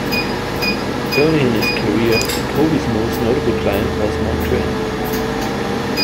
Earlier in his career, Colby's most notable client was Mark Twain.